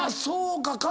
そうか。